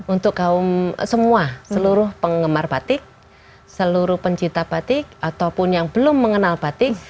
untuk kaum semua seluruh penggemar batik seluruh pencipta batik ataupun yang belum mengenal batik